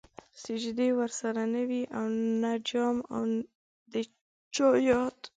سجدې ورسره نه وې او نه جام او د چا ياد